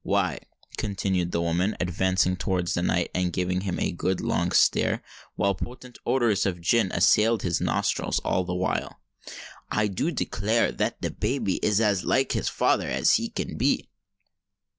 Why," continued the woman, advancing towards the knight and giving him a good long stare, while, potent odours of gin assailed his nostrils all the while, "I do declare that the babby is as like his father as he can be."